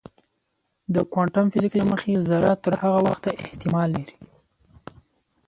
د کوانتم فزیک له مخې ذره تر هغه وخته احتمال لري.